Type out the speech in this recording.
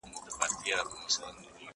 زه به سبا د ښوونځي کتابونه مطالعه وکړم؟!